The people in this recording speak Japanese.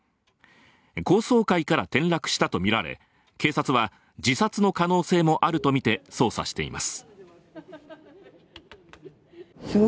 高層階から転落したとみられ、警察は自殺の可能性もあるとみて捜査しています。